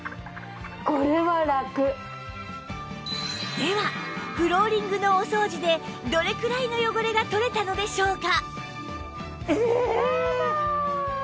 ではフローリングのお掃除でどれくらいの汚れが取れたのでしょうか？